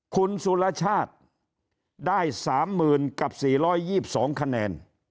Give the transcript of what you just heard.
คุณสุรชาติได้๓๐๔๒๒คะแนน